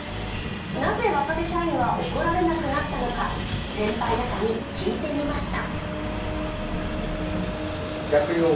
なぜ若手社員は怒られなくなったのか、先輩方に聞いてみました。